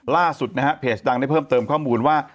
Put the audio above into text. ล่าสุดนะฮะเพจดังได้เพิ่มเติมข้อมูลว่า